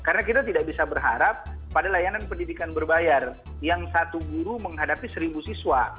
karena kita tidak bisa berharap pada layanan pendidikan berbayar yang satu guru menghadapi seribu siswa